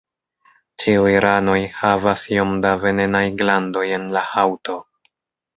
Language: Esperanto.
Ĉiuj ranoj havas iom da venenaj glandoj en la haŭto.